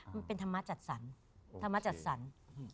มันเป็นธรรมจัดสรรค์